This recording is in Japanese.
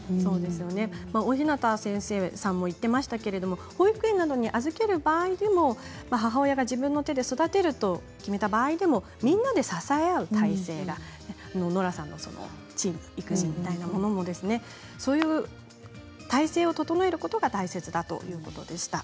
大日向先生もおっしゃっていましたが保育園に預ける場合でも母親が自分の手で育てると決める場合でもみんなで支える態勢はノラさんのそのチーム育児みたいなものも、そういう態勢を整えることが大切だということでした。